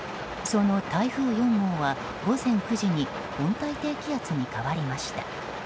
その台風４号は午前９時に温帯低気圧に変わりました。